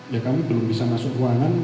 ya kami belum bisa masuk ruangan